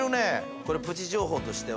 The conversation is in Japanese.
これプチ情報としては。